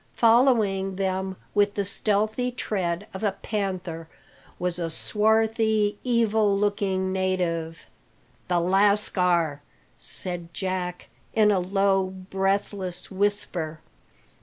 Following them with the stealthy tread of a panther was a swarthy, evil looking native. "The lascar!" said Jack, in a low, breathless whisper.